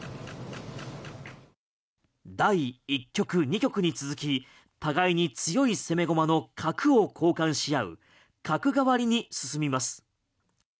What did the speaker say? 第１局、２局に続き互いに強い攻め駒の角を交換し合う角換わりに進みます。